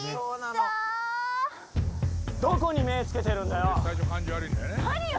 どこに目つけてるんだよ。